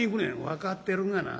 「分かってるがな。